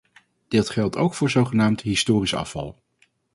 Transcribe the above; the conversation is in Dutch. Dit geldt ook voor zogenaamd historisch afval.